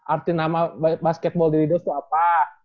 arti nama basketball daily dose itu apa